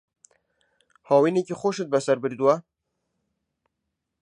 هاوینێکی خۆشت بەسەر بردووە؟